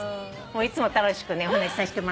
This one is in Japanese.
いつも楽しくお話しさせてもらってる。